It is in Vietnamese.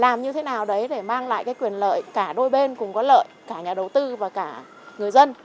làm như thế nào đấy để mang lại cái quyền lợi cả đôi bên cùng có lợi cả nhà đầu tư và cả người dân